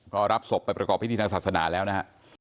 ก็รับศพไปประกอบพิธีทางศาสนาแล้วนะฮะ